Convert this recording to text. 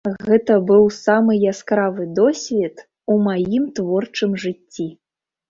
Гэта быў самы яскравы досвед у маім творчым жыцці.